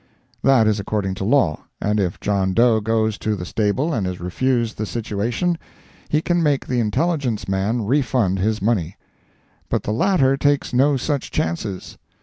That is according to law, and if John Doe goes to the stable and is refused the situation, he can make the intelligence man refund his money. But the latter takes no such chances.